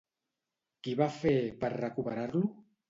Qui va fer per recuperar-lo?